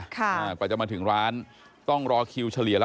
กว่าจะมาถึงร้านต้องรอคิวเฉลี่ยแล้ว